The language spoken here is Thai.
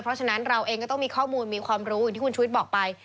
เพราะฉะนั้นเราเองก็ต้องมีข้อมูลมีความรู้อย่างที่คุณชุวิตบอกไป